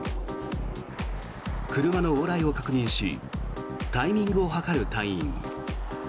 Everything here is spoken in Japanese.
車の往来を確認しタイミングを計る隊員。